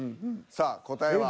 さあ答えは。